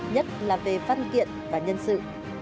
nhất là về văn kiện và nhân sự